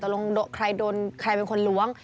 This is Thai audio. ลงใครโดนใครเป็นคนล้วง